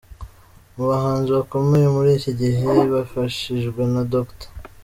Mu bahanzi bakomeye muri iki gihe bafashijwe na Dr.